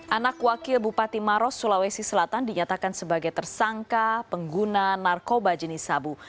anak wakil bupati maros sulawesi selatan dinyatakan sebagai tersangka pengguna narkoba jenis sabu